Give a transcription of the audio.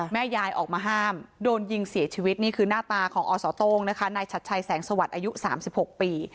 แม่ยายออกมาห้ามโดนยิงเสียชีวิตนี่คือหน้าตาของอสโต้งนะคะนายชัดชัยแสงสวัสดิ์อายุ๓๖ปี